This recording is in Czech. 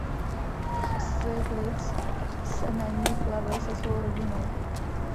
Stieglitz se na ní plavil se svou rodinou.